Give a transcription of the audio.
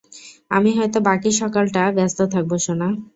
আমি হয়ত বাকি সকালটা ব্যস্ত থাকবো, সোনা।